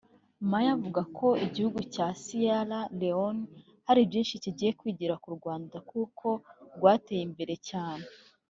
Maya avuga ko igihugu cya Sierra Leone hari byinshi kigiye kwigira ku Rwanda kuko rwateye imbere cyane